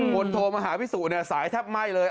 คนโทรมาหาพี่สุเนี่ยสายแทบไหม้เลย